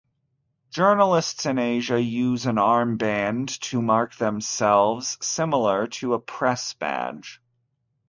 Journalists in Asia use an armband to mark themselves, similar to a press badge.